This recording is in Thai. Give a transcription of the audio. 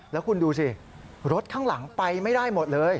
แล้วคุณดูสิรถข้างหลังไปไม่ได้หมดเลย